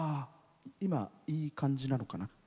今、いい感じなのかな？